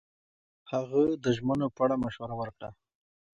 هغه د ژمنو په اړه مشوره ورکړه.